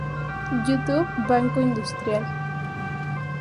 You Tube Banco Industrial.